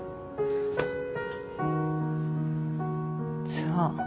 そう。